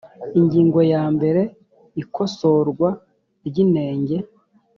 ingingo ya mbere ikosorwa ry inenge